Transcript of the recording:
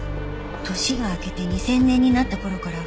年が明けて２０００年になった頃から。